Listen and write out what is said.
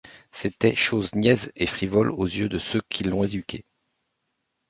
C’étaient choses niaises et frivoles aux yeux de ceux qui l’ont éduqué.